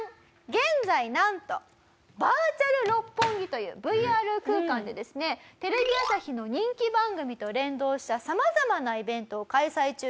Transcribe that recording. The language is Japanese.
現在なんとバーチャル六本木というＶＲ空間でですねテレビ朝日の人気番組と連動したさまざまなイベントを開催中でございます。